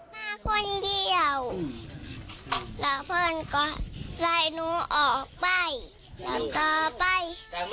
มาคนเยี่ยวเราเพื่อนก็ใส่หนูออกไปแล้วต่อไป